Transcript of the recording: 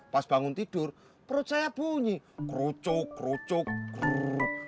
pas bangun tidur perut saya bunyi kerucuk kerucuk keruruk